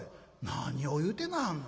「何を言うてなはんの。